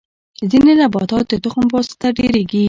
ځینې نباتات د تخم په واسطه ډیریږي